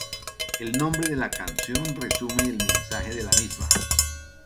El nombre de la canción resume el mensaje de la misma.